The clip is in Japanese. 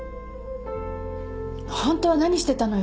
ホントは何してたのよ